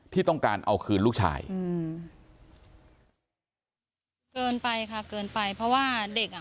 ที่ต้องการเอาคืนลูกชายอืมเกินไปค่ะเกินไปเพราะว่าเด็กอ่ะ